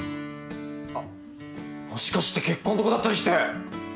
あっもしかして結婚とかだったりして。